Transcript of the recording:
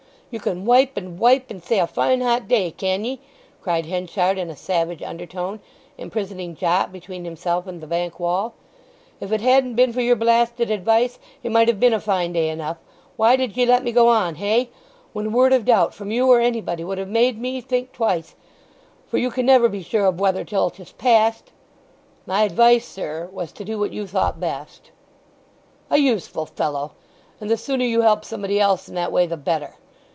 "You can wipe and wipe, and say, 'A fine hot day,' can ye!" cried Henchard in a savage undertone, imprisoning Jopp between himself and the bank wall. "If it hadn't been for your blasted advice it might have been a fine day enough! Why did ye let me go on, hey?—when a word of doubt from you or anybody would have made me think twice! For you can never be sure of weather till 'tis past." "My advice, sir, was to do what you thought best." "A useful fellow! And the sooner you help somebody else in that way the better!"